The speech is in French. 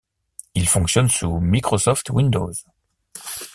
Il fonctionne sous Microsoft Windows.